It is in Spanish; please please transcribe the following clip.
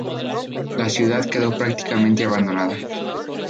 La ciudad quedó prácticamente abandonada.